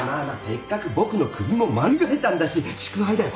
せっかく僕の首も免れたんだし祝杯だよ。